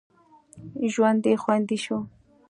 ژوند یې خوندي شو.